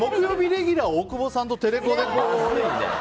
レギュラー大久保さんとテレコで。